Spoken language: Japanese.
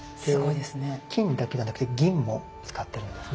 で金だけじゃなくて銀も使ってるんですね。